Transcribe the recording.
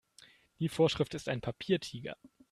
Die Vorschrift ist ein Papiertiger.